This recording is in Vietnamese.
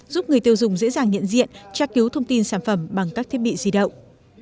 giúp người tiêu dùng dễ dàng nhận diện tra cứu thông tin sản phẩm bằng các thiết bị di động